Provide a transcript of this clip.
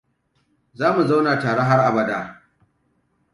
Za mu zauna tare har abada.